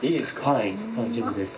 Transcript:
はい大丈夫です。